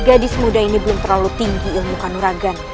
gadis muda ini belum terlalu tinggi ilmu kanuragan